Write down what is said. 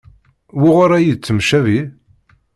Wuɣur ay yettemcabi?